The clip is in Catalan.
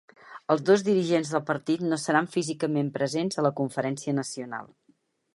Els dos dirigents del partit no seran físicament presents a la conferència nacional.